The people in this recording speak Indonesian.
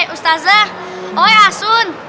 ustazah oi asun